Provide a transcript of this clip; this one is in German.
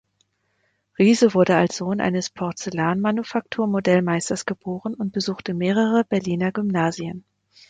Riese wurde als Sohn eines Porzellan-Manufaktur-Modellmeisters geboren und besuchte mehrere Berliner Gymnasien.